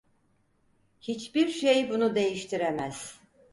Hiçbir şey bunu değiştiremez.